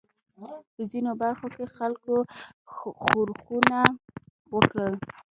په ځینو برخو کې خلکو ښورښونه وکړل.